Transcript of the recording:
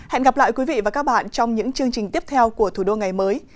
hẹn gặp lại quý vị và các bạn trong những chương trình tiếp theo của thủ đô ngày mới